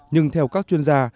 nhưng theo các chuyên gia